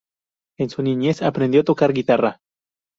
En su niñez, aprendió a tocar guitarra.